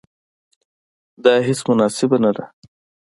دا هیڅ مناسبه نه ده.